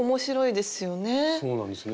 そうなんですよね。